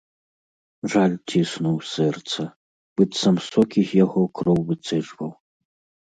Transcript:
Жаль ціснуў сэрца, быццам сокі з яго, кроў выцэджваў.